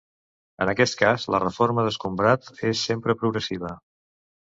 En aquest cas la forma d'escombrat és sempre progressiva.